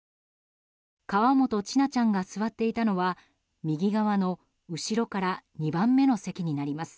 川本千奈ちゃんが座っていたのは右側の後ろから２番目の席になります。